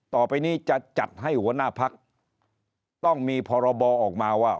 ต่อไปนี้จะจัดให้หัวหน้าพักต้องมีพรบออกมาว่า